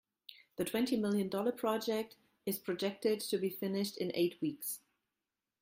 The twenty million dollar project is projected to be finished in eight weeks.